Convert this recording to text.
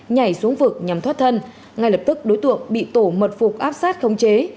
nhảy xuống vực nhằm thoát thân ngay lập tức đối tượng bị tổ mật phục áp sát khống chế